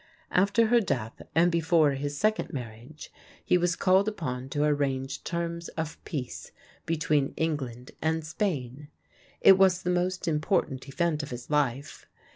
After her death and before his second marriage he was called upon to arrange terms of peace between England and Spain. It was the most important event of his life.